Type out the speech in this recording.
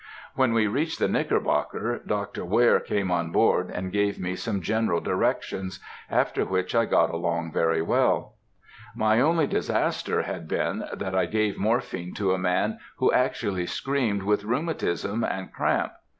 When we reached the Knickerbocker, Dr. Ware came on board, and gave me some general directions, after which I got along very well; my only disaster had been that I gave morphine to a man who actually screamed with rheumatism and cramp.